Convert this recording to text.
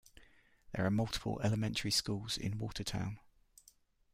There are multiple elementary schools in Watertown.